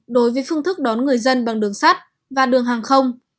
đối với phương thức đón người dân bằng đường sắt và đường hàng không